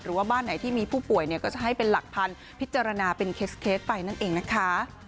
หรือว่าบ้านไหนที่มีผู้ป่วยก็จะให้เป็นหลักพันธุ์พิจารณาเป็นเคสไปนั่นเองนะคะ